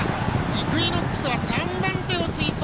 イクイノックスは３番手を追走！